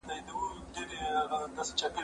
په يوه ګل نه پسرلی کېږي!.